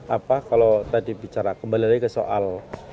apa kalau tadi bicara kembali lagi ke soal